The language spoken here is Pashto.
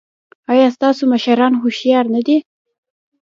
ایا ستاسو مشران هوښیار نه دي؟